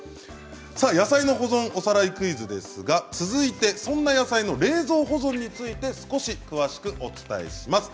野菜の保存おさらいクイズですが続いてそんな野菜の冷蔵保存について少し詳しくお伝えします。